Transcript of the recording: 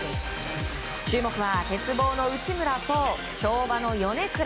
注目は鉄棒の内村と跳馬の米倉。